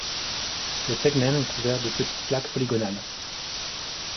Le tegmen est couvert de petites plaques polygonales.